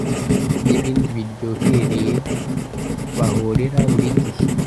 n’ibindi biryohereye bahorera buri gihe,